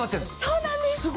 そうなんです。